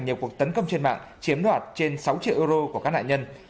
nhiều cuộc tấn công trên mạng chiếm đoạt trên sáu triệu euro của các nạn nhân